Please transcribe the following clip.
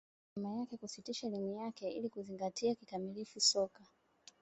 alikubaliana na mama yake kusitisha elimu yake ili kuzingatia kikamilifu soka